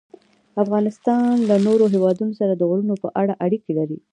افغانستان له نورو هېوادونو سره د غرونو په اړه اړیکې لري.